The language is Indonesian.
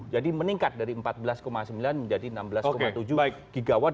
jadi meningkat dari empat belas sembilan menjadi enam belas tujuh gigawatt